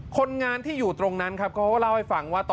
คนงานที่อยู่ตรงนั้นครับเขาก็เล่าให้ฟังว่า